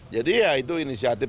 jadi ya itu inisiatif